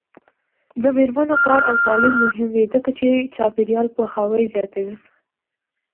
د میرمنو کار او تعلیم مهم دی ځکه چې چاپیریال پوهاوی زیاتوي.